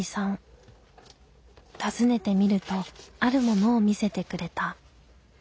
訪ねてみるとあるものを見せてくれた。